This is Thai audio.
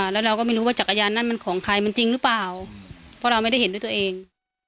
แล้วเราก็ไม่รู้ว่าจักรยานนั้นมันของใครมันจริงหรือเปล่าเพราะเราไม่ได้เห็นด้วยตัวเอง